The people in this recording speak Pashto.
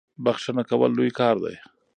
بخښنه کول لوی کار دی.